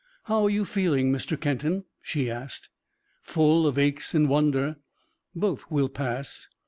"How are you feeling, Mr. Kenton?" she asked. "Full of aches and wonder." "Both will pass."